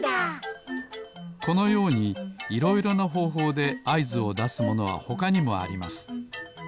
このようにいろいろなほうほうであいずをだすものはほかにもあります。